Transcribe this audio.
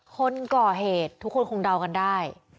คนก่อเหตุทุกคนคงเดากันได้